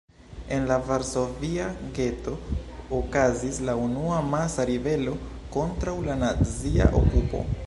En la varsovia geto okazis la unua amasa ribelo kontraŭ la nazia okupo.